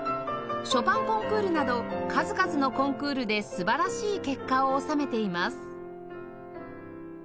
ショパンコンクールなど数々のコンクールで素晴らしい結果を収めています